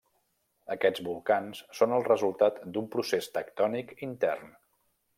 Aquests volcans són el resultat d'un procés tectònic intern.